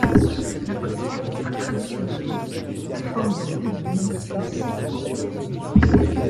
L’apostrophe a traditionnellement la forme d’une virgule placée en hauteur.